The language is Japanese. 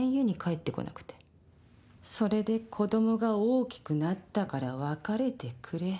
それで子供が大きくなったから別れてくれ？